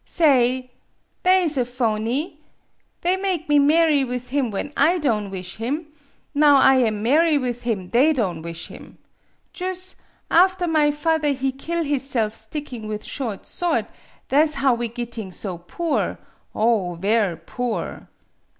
Sa ay f Tha' 's a foanny! They make me marry with him when / don' wish him; now I am marry with him, they don' wish him. Jus', after my father he kill hisself sticking with short sword, tha' 's how we gitting so poor oh, ver' poor